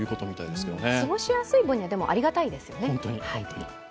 でも、過ごしやすい分にはありがたいですよね。